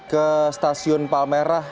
ke stasiun palmerah